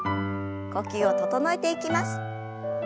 呼吸を整えていきます。